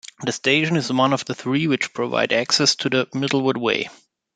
The station is one of the three which provide access to the Middlewood Way.